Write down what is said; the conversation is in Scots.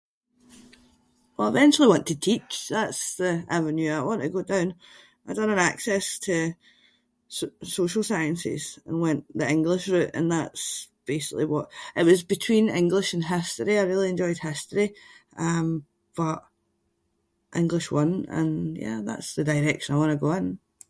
Well I eventually want to teach. That’s the avenue I want to go down. I done an access to s-social sciences and went the English route and that’s basically what- it was between English and history. I really enjoyed history um but English won and yeah, that’s the direction I want to go in.